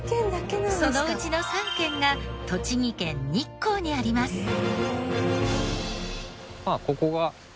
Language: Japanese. そのうちの３軒が栃木県日光にあります。